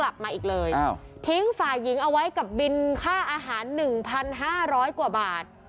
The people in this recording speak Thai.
บินค่าอาหาร๑๕๐๐กว่าบาท